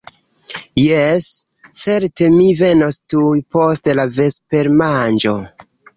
Jes, certe, mi venos tuj post la vespermanĝo.